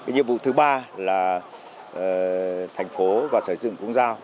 nhiệm vụ thứ ba là thành phố và sở xây dựng cũng giao